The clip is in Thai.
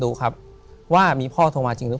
ถูกต้องไหมครับถูกต้องไหมครับ